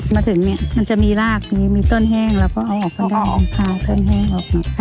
มาถึงเนี่ยมันจะมีรากมีต้นแห้งแล้วก็เอาออกข้างนอกเอาพาต้นแห้งออกมาค่ะ